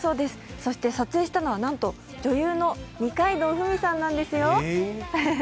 そして撮影したのは、なんと女優の二階堂ふみさんなんですよ。